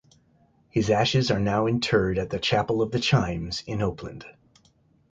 His ashes are now interred at the Chapel of the Chimes in Oakland.